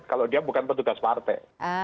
kalau dia bukan petugas partai